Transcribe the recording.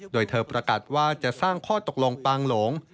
โดยเธอประกาศว่าจะสร้างข้อตกลงปางหลง